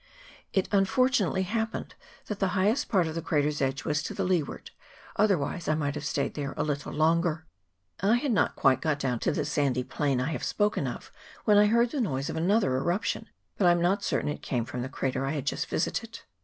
It unfortunately happened that the highest part of the crater's edge was to leeward, otherwise I might have stayed there a little longer. I had not got quite down to the sandy plain I have spoken of when I heard the noise CHAP. XXIV.] OF TONGARIRO. 355 of another eruption, but am not certain it came from the crater I had just visited.